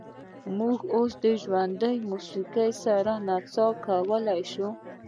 موږ اوس د ژوندۍ موسیقۍ سره نڅا کولی شو